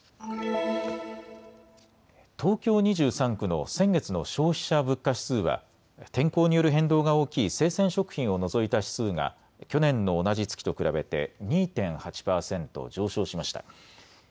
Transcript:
東京２３区の先月の消費者物価指数は天候による変動が大きい生鮮食品を除いた指数が去年の同じ月と比べて２．８％上昇しました。